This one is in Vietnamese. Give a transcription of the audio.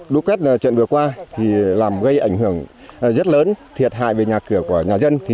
lũ quét trận vừa qua làm gây ảnh hưởng rất lớn thiệt hại về nhà cửa của nhà dân